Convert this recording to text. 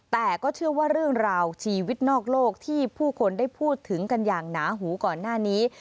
แต่ก็เชื่อว่าเรื่องราวชีวิตนอกโลกที่ผู้คนได้พูดถึงกันอย่างหนาหูก่อนหน้านี้